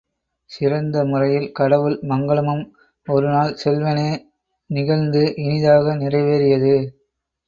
சிறந்த முறையில் கடவுள் மங்கலமும் ஒருநாள் செவ்வனே நிகழ்ந்து இனிதாக நிறைவேறியது.